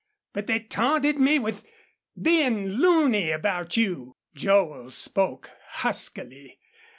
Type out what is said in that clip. But they taunted me with bein' loony about you." Joel spoke huskily.